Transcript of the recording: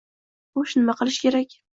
Xo'sh, nima qilish kerak?